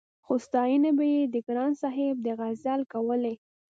خو ستاينې به يې د ګران صاحب د غزل کولې-